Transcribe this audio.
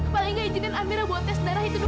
paling tidak izinkan amira buat tes darah itu dong